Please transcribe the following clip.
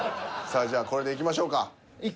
さあじゃあこれでいきましょうか。